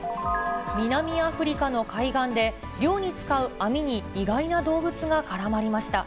南アフリカの海岸で、漁に使う網に、意外な動物が絡まりました。